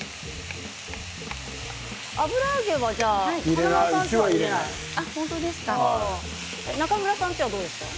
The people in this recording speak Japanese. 油揚げは中村さんちはどうですか？